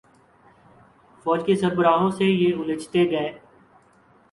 فوج کے سربراہوں سے یہ الجھتے گئے۔